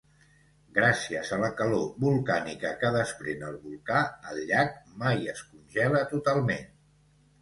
Gràcies a la calor volcànica que desprèn el volcà, el llac mai es congela totalment.